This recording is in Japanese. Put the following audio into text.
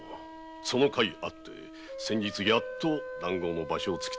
そのかいあってやっと談合場所を突き止めました。